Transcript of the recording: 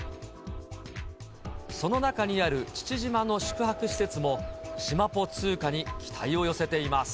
その中にある父島の宿泊施設も、しまぽ通貨に期待を寄せています。